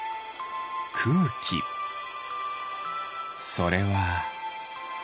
それは。